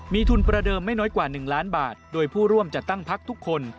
มีทุนประเดิมไม่น้อยกว่า๑ล้านบาทโดยผู้ร่วมจัดตั้งพักทุกคน